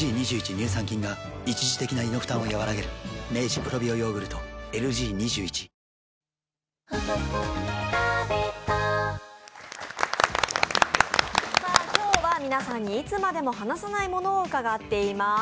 乳酸菌が一時的な胃の負担をやわらげる今日は皆さんにいつまでも離さないものを伺っています。